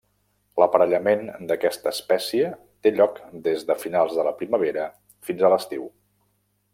L'aparellament d'aquesta espècie té lloc des de finals de la primavera fins a l'estiu.